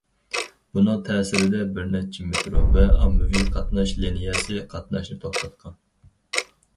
بۇنىڭ تەسىرىدە، بىر نەچچە مېترو ۋە ئاممىۋى قاتناش لىنىيەسى قاتناشنى توختاتقان.